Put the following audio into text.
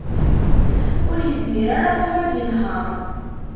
Ur yezmir ara Tom ad yenheṛ.